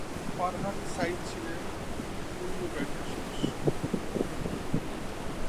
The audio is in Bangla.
ফারহান সাঈদ ছিলেন "জল" ব্যান্ডের সদস্য।